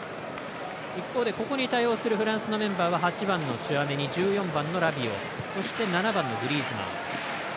一方でここに対応するフランスのメンバーはチュアメニ、ラビオそして７番のグリーズマン。